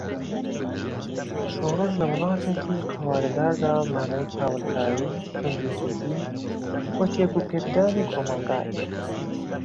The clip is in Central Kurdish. شۆرش لە ولاتێکی قەوارەداردا مانای کاولکاری، توندوتیژی و تێکوپێکدانی کۆمەلگایە.